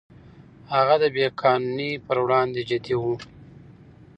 هغه د بې قانونۍ پر وړاندې جدي و.